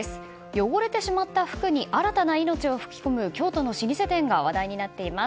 汚れてしまった服に新たな命を吹き込む京都の老舗店が話題になっています。